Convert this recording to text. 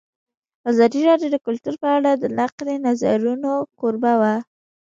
ازادي راډیو د کلتور په اړه د نقدي نظرونو کوربه وه.